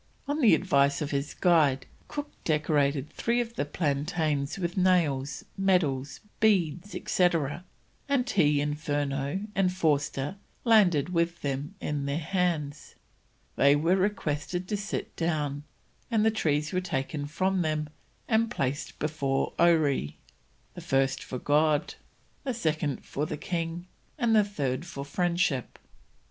On the advice of his guide, Cook decorated three of the plantains with nails, medals, beads, etc., and he, Furneaux, and Forster, landed with them in their hands. They were requested to sit down, and the trees were taken from them and placed before Oree, the first for God, the second for the king, and the third for Friendship.